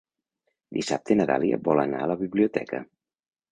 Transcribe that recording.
Dissabte na Dàlia vol anar a la biblioteca.